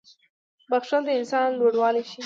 • بښل د انسان لوړوالی ښيي.